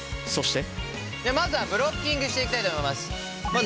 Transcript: そしてまずはブロッキングしていきたいと思います。